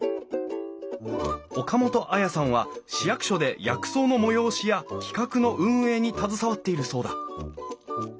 岡本文さんは市役所で薬草の催しや企画の運営に携わっているそうだ。